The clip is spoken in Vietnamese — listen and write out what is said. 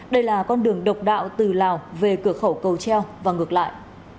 đây là con đường độc đạo từ lào về cửa khẩu cầu treo và ngược lại